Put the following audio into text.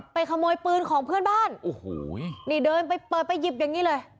ขโมยปืนของเพื่อนบ้านโอ้โหนี่เดินไปเปิดไปหยิบอย่างนี้เลย